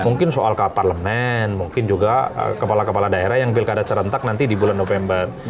mungkin soal keparlemen mungkin juga kepala kepala daerah yang pilkada serentak nanti di bulan november